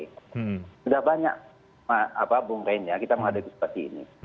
sudah banyak bumrenya kita menghadapi seperti ini